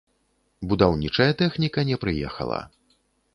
Будаўнічая тэхніка не прыехала.